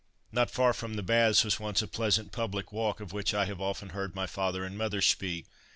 Not far from the baths was once a pleasant public walk of which I have often heard my father and mother speak.